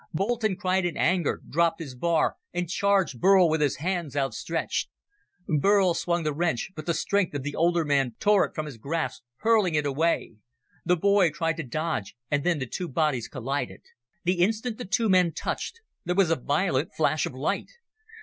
Boulton cried in anger, dropped his bar, and charged Burl with his hands outstretched. Burl swung the wrench, but the strength of the older man tore it from his grasp, hurling it away. The boy tried to dodge, and then the two bodies collided. The instant the two men touched there was a violent flash of light.